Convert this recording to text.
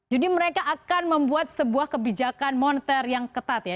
jadi mereka akan membuat sebuah kebijakan moneter yang ketat ya